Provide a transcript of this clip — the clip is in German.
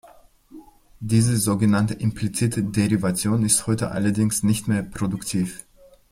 Diese sogenannte implizite Derivation ist heute allerdings nicht mehr produktiv.